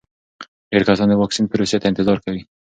ډېر کسان د واکسین پروسې ته انتظار کوي.